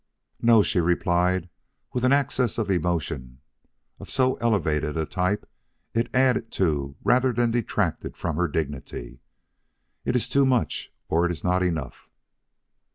"No," she replied, with an access of emotion of so elevated a type it added to rather than detracted from her dignity. "It is too much or it is not enough."